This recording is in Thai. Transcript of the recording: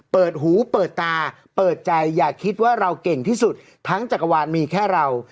เปิดหูเปิดตาเปิดใจอย่าคิดว่าเราเก่งที่สุดทั้งจักรวาลมีแค่เรา